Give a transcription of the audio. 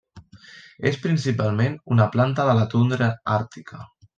És principalment una planta de la tundra àrtica.